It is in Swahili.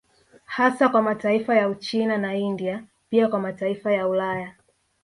Hasa kwa mataifa ya Uchina na India pia kwa mataifa ya Ulaya